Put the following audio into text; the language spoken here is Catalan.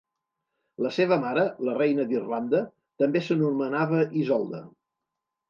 La seva mare, la reina d'Irlanda, també s'anomenava Isolda.